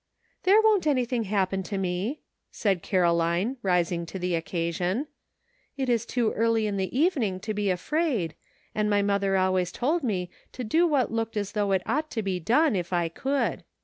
" Jhere won't anything happen to me," said Caroline, rising to the occasion ;" it is too early in the evening to be afraid, and my mother always told me to do what looked as though it ought to be done, if I could.